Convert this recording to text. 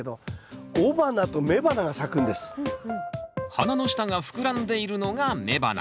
花の下が膨らんでいるのが雌花。